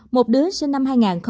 một đứa sinh năm hai nghìn bốn